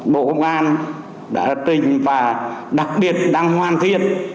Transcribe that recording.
bộ công an đã đặt ra trình và đặc biệt đang hoàn thiết